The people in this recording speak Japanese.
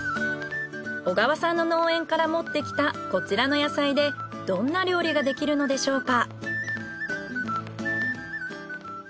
小川さんの農園から持ってきたこちらの野菜でどんな料理ができるのでしょうか。